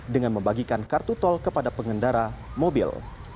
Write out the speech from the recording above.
dengan membagikan kartu tol kepada pengendara mobil